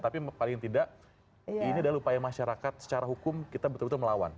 tapi paling tidak ini adalah upaya masyarakat secara hukum kita betul betul melawan